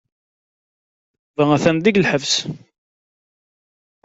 Yuba atan deg lḥebs.